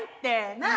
なあ。